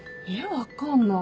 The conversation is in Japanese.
分かんない。